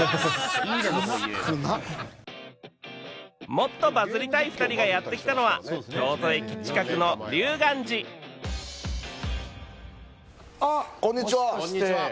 もっとバズりたい２人がやって来たのは京都駅近くの龍岸寺あっこんにちは。